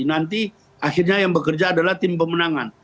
nanti akhirnya yang bekerja adalah tim pemenangan